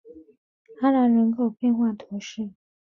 阿兰人口变化图示